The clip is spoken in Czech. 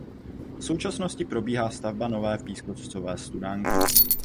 V současnosti probíhá stavba nové pískovcové studánky.